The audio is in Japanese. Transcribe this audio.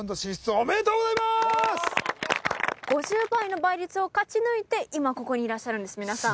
おめでとうございまーす５０倍の倍率を勝ち抜いて今ここにいらっしゃるんです皆さん